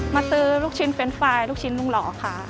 มาซื้อลูกชิ้นเรนด์ไฟล์ลูกชิ้นลุงหล่อค่ะ